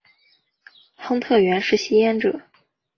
亨特原是吸烟者。